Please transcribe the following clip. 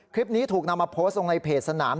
คลิปนี้ถูกนำมาโพสต์ลงในเพจสนาม